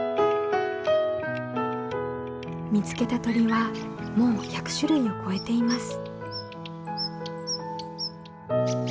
見つけた鳥はもう１００種類を超えています。